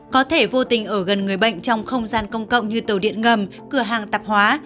có thể vô tình ở gần người bệnh trong không gian công cộng như tàu điện ngầm cửa hàng tạp hóa